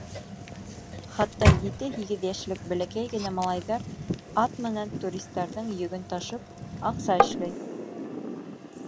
Хатта ете-һигеҙ йәшлек бәләкәй генә малайҙар, ат менән туристарҙың йөгөн ташып, аҡса эшләй.